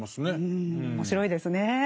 うん面白いですね。